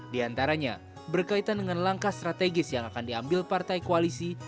di antaranya berkaitan dengan langkah strategis yang akan diambil partai koalisi